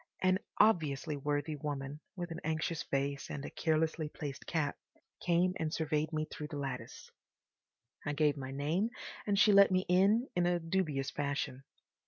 An obviously worthy woman, with an anxious face and a carelessly placed cap, came and surveyed me through the lattice. I gave my name and she let me in in a dubious fashion.